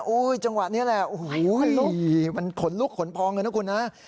จังหวะนี้แหละโอ้โหมันขนลุกขนพองเลยนะคุณนะ